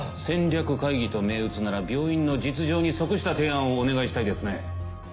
戦略会議と銘打つなら病院の実情に即した提案をお願いしたいですね。